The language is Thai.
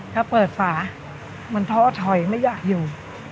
ถ้าเปิดฝามันท้อถอยไม่อยากอยู่